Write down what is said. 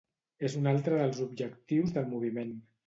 És un altre dels objectius del moviment.